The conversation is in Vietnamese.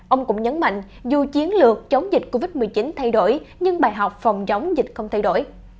ông cũng nhấn mạnh dù chiến lược chống dịch covid một mươi chín thay đổi nhưng bài học phòng chống dịch không thay đổi